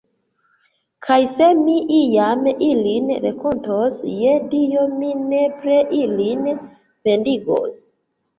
Kaj se mi iam ilin renkontos, je Dio, mi nepre ilin pendigos.